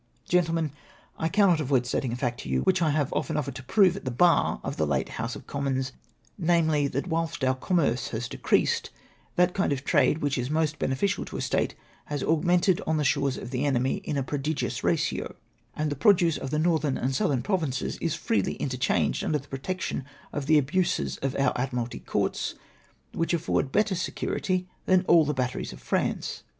" Grentlemen, I cannot avoid stating a fact to you which I have often offered to prove at the bar of the late House of Commons, namely, that whilst our commerce has decreased, that kind of trade which is most beneficial to a state has augmented on the shores of the enemy, in a prodigious ratio ; and the produce of the northern and southern provinces is freely interchanged under the protection of the abuses of our Admiralty Courts, which afford better security than all the batteries of France.